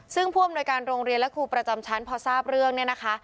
ซึ่งผู้อำนวยการโรงเรียนและครูประจำชั้นพอทราบเรื่องเนี่ยนะคะ